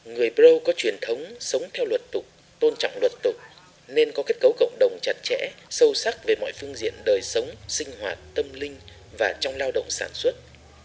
người prow có truyền thống sống theo luật tục tôn trọng luật tục nên có kết cấu cộng đồng chặt chẽ sâu sắc về mọi phương diện đời sống sinh hoạt tâm linh và trong lao động sản xuất